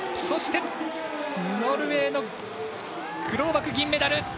そして、ノルウェーのグローバク銀メダル。